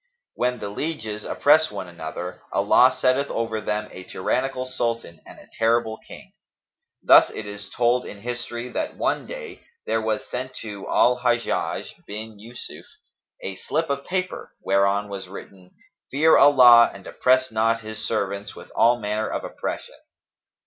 When the lieges oppress one another, Allah setteth over them a tyrannical Sultan and a terrible King. Thus it is told in history that one day there was sent to Al Hajjαj bin Yϊsuf a slip of paper, whereon was written, 'Fear Allah and oppress not His servants with all manner of oppression.'